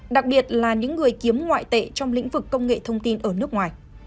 đặc biệt là những người kiếm ngoại tệ trong lĩnh vực công nghệ thông tin ở nước ngoài